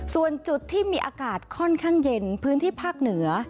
ส่วนจุดที่มีอากาศค่อนข้างเย็นพื้นที่ภาคเหนือ